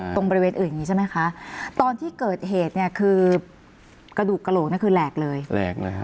กระดูกกระโหลกนั้นคือแหลกเลยแหลกเลยครับ